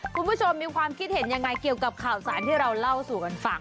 คุณผู้ชมมีความคิดเห็นยังไงเกี่ยวกับข่าวสารที่เราเล่าสู่กันฟัง